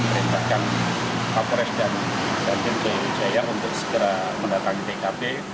merintahkan papres dan tim ke ujaya untuk segera mendatangi tkp